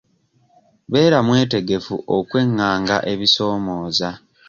Beera mwetegefu okwenganga ebisoomooza.